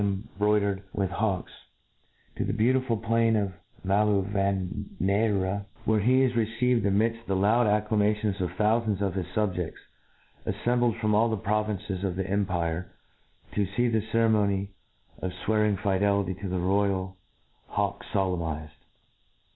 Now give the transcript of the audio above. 8j , i embroidered with hawks, tothtf beautiful plain of Maluvaneira ; where he is received anjidft the loud acclamations of thoufands of hi« fubjefts, affembled from all the provinces of the empire, to fee the ceremony of fwearing fidelity to the royal hawk folemnized.